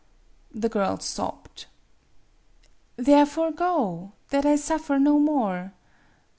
" The girl sobbed. " Therefore go that I suffer no more.